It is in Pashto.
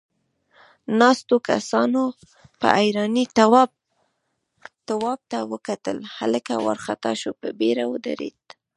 ناستو کسانوپه حيرانۍ تواب ته وکتل، هلک وارخطا شو، په بيړه ودرېد.